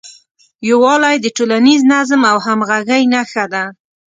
یووالی د ټولنیز نظم او همغږۍ نښه ده.